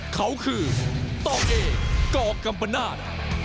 เขาคือต่อเอกอกกัมปนาศ